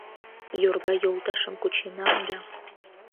Йорга йолташым кученам да